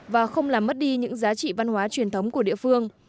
và không làm mất đi những giá trị văn hóa truyền thống của địa phương